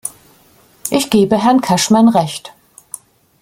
Ich gebe Herrn Cashman Recht.